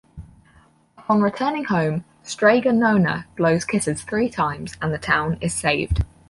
Upon returning home, Strega Nona blows kisses three times, and the town is saved.